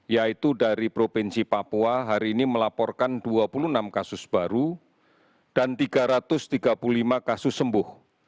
yaitu dari provinsi papua hari ini melaporkan dua puluh enam kasus baru dan tiga ratus tiga puluh lima kasus sembuh